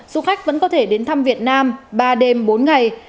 du khách vẫn có thể đến thăm việt nam ba đêm bốn ngày